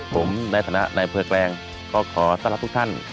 ผมในฐานะในอำเภอแกลงก็ขอต้อนรับทุกท่าน